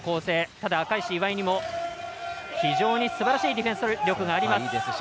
ただ、赤石、岩井にも非常にすばらしいディフェンス力があります。